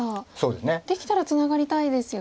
できたらツナがりたいですよね。